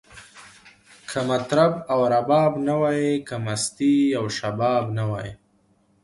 که مطرب او رباب نه وی، که مستی او شباب نه وی